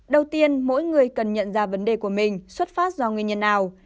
đầu tiên mỗi người cần nhận ra vấn đề của mình xuất phát do nguyên nhân nào